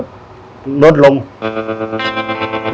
ที่ตั้งอยู่ในชุดต่างสูรศาเกต